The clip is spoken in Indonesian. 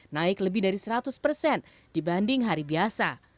naik lebih dari seratus persen dibanding hari biasa